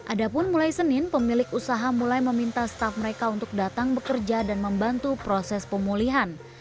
ada pun mulai senin pemilik usaha mulai meminta staff mereka untuk datang bekerja dan membantu proses pemulihan